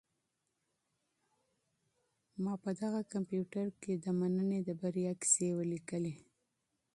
ما په دغه کمپیوټر کي د مننې د بریا کیسې ولیکلې.